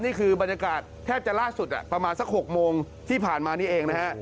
นี่คือบรรยากาศแทบจะล่าสุดประมาณสัก๖โมงที่ผ่านมานี้เองนะฮะ